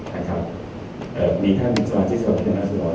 ครับมีท่านสวัสดิ์ที่สวัสดิ์เที่ยวนักศึกษา